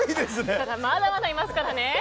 まだまだ、いますからね。